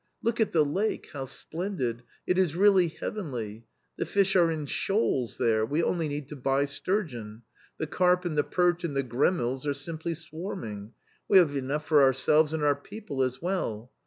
Look at the lake, how splendid ! It is really heavenly ! The fish are in shoals there \ we only need to buy sturgeon ; the carp and the perch and the gremilles are simply swarming, we have enough for ourselves and our people as well.